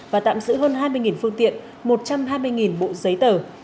và tạm giữ hơn hai mươi phương tiện một trăm hai mươi bộ giấy tờ